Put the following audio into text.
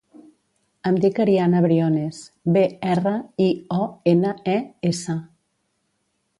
Em dic Ariana Briones: be, erra, i, o, ena, e, essa.